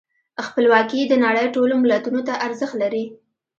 خپلواکي د نړۍ ټولو ملتونو ته ارزښت لري.